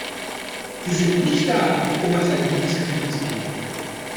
Sie sind nicht da, um uns ein gutes Gefühl zu geben.